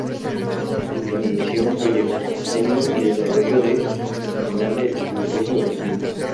Definición proyecto: Diseño y desarrollo del terminal de autoservicio multimedia.